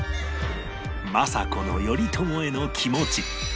政子の頼朝への気持ち